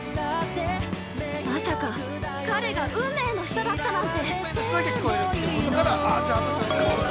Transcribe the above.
まさか、彼が運命の人だったなんて。